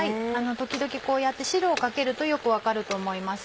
時々こうやって汁をかけるとよく分かると思います。